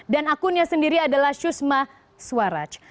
dan akunnya sendiri adalah susma swaraj